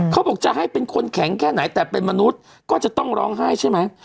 เขาบอกจะให้เป็นคนแข็งแค่ไหนแต่เป็นมนุษย์ก็จะต้องร้องไห้ใช่ไหม